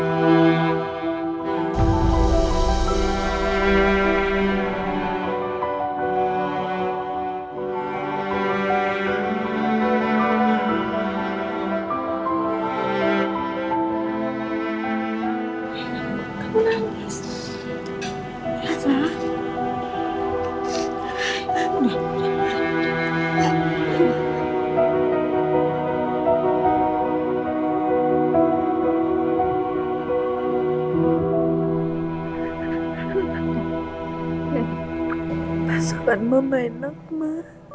masukkan mama enak ma